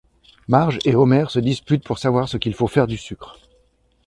Marge et Homer se disputent pour savoir ce qu'il faut faire du sucre.